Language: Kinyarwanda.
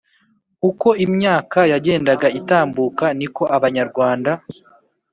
uko imyaka yagendaga itambuka ni ko abanyarwanda